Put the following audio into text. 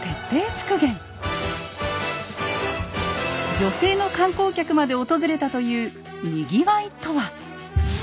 女性の観光客まで訪れたというにぎわいとは⁉